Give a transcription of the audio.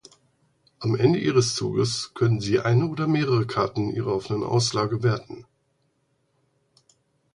Am Ende ihres Zuges können sie eine oder mehrere Karten ihrer offenen Auslage werten.